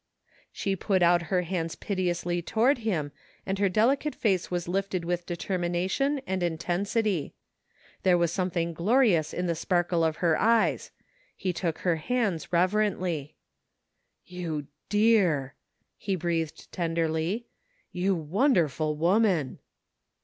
'' She put out her hands piteously toward him and her delicate face was lifted with determination and intensity. There was something glorious in the sparkle of her eyes. He took her hands reverently. " You dear! " he breathed tenderly. " You wonder ful woman!''